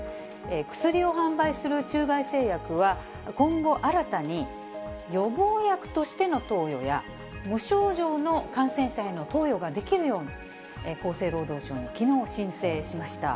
薬を販売する中外製薬は、今後、新たに予防薬としての投与や、無症状の感染者への投与ができるように、厚生労働省にきのう申請しました。